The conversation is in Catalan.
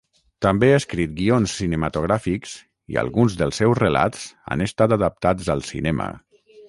També ha escrit guions cinematogràfics i alguns dels seus relats han estat adaptats al cinema.